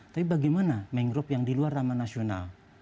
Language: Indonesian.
tapi bagaimana mangrove yang di luar taman nasional